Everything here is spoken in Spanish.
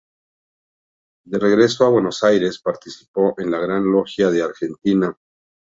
De regreso a Buenos Aires, participó en la Gran Logia de Argentina.